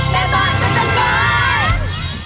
เว็บบอทตอนจักรการ